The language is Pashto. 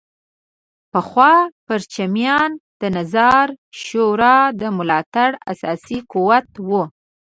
پخوا پرچمیان د نظار شورا د ملاتړ اساسي قوت وو.